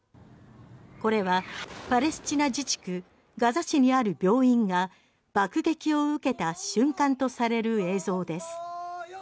これはパレスチナ自治区ガザ市にある病院が爆撃を受けた瞬間とされる映像です。